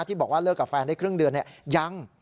บอกว่าเลิกกับแฟนได้ครึ่งเดือนยัง